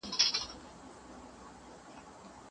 دولتي پوهنتون په چټکۍ نه ارزول کیږي.